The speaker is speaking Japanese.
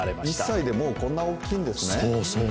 １歳で、もうこんなに大きいんですね。